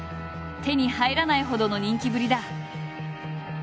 手に入らないほどの人気ぶりだ。